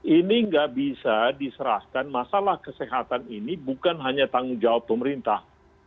ini nggak bisa diserahkan masalah kesehatan ini bukan hanya tanggung jawab pemerintah